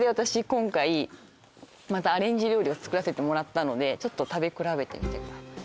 今回またアレンジ料理を作らせてもらったのでちょっと食べ比べてみてください